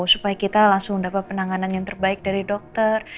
supaya kita langsung dapat penanganan yang terbaik dari dokter